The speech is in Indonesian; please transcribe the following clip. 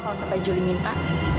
kalau sampai julie minta